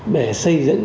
để xây dựng